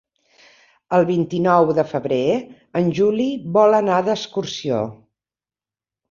El vint-i-nou de febrer en Juli vol anar d'excursió.